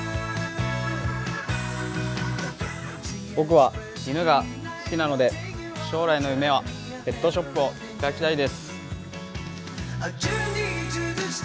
僕は犬が好きなので、将来の夢はペットショップを開きたいです。